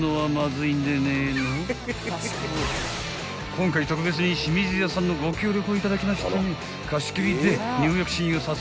［今回特別に清水湯さんのご協力を頂きましてね］